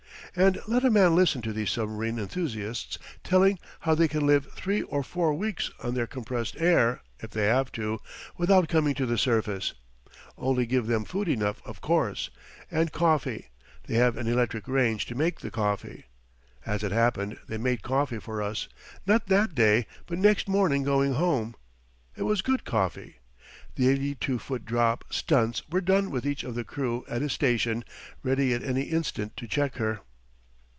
And let a man listen to these submarine enthusiasts telling how they can live three or four weeks on their compressed air, if they have to, without coming to the surface! Only give them food enough, of course. And coffee they have an electric range to make the coffee. As it happened, they made coffee for us not that day, but next morning going home. It was good coffee. The 82 foot drop stunts were done with each of the crew at his station, ready at any instant to check her.